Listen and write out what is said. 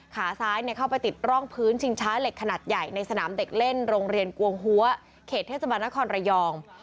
ขาซ้ายเข้าไปติดร่องพื้นชิงช้าเหล็กขนาดใหญ่ในสนามเด็กเล่นโรงเรียนกวงหัวเขตเทศบาลนครระยอง